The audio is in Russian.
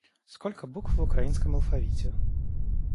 Сколько букв в украинском алфавите?